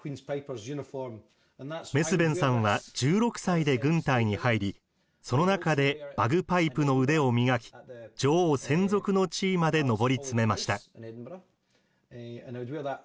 メスヴェンさんは１６歳で軍隊に入りその中でバグパイプの腕を磨き女王専属の地位までのぼりつめました。